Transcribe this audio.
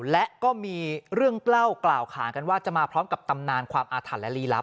และก็มีเรื่องเล่ากล่าวขากันว่าจะมาพร้อมกับตำนานความอาถรรพ์และลีลับ